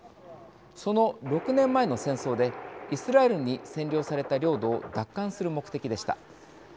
その６年前の戦争でイスラエルに占領された領土を奪還する目的でした。